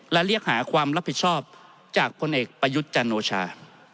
และเรียกหาความรับผิดชอบจากพลเอกประยุทธ์จันโอชา